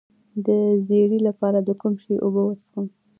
د ژیړي لپاره د کوم شي اوبه وڅښم؟